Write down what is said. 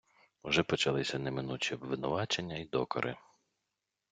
Вже почалися неминучі обвинувачення і докори.